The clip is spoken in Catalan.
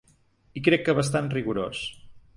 I crec que bastant rigorós.